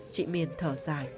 chị miền thở dài